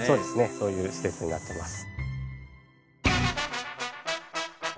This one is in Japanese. そういう施設になってます。